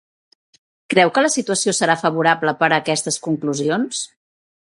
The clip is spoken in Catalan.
Creu que la situació serà favorable per a aquestes conclusions?